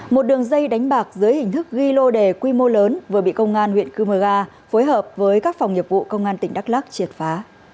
một đường dây đánh bạc dưới hình thức ghi lô đề quy mô lớn vừa bị công an huyện cư mờ ga phối hợp với các phòng nghiệp vụ công an tỉnh đắk lắc triệt phá